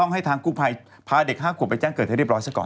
ให้ทางกุภัยพระเด็กห้าขวบไปจ้างเกิดเธอเรียบร้อยซะก่อน